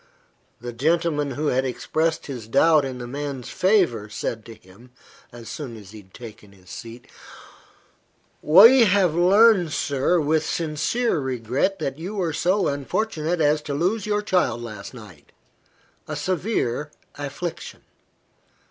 The gentleman who had expressed the doubt in the man's favour, said to him, as soon as he had taken his seat "We have learned, sir, with sincere regret, that you were so unfortunate as to lose your child last night a severe affliction.